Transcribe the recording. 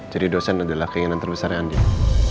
jadi dosen adalah keinginan terbesar andin